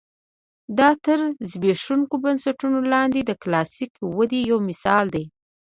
دا تر زبېښونکو بنسټونو لاندې د کلاسیکې ودې یو مثال دی.